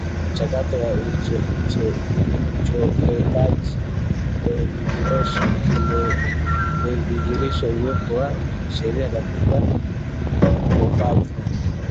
Michakato ya uchopekaji na udondoshi imedhihirisha uwepo wa Sheria katika ukopaji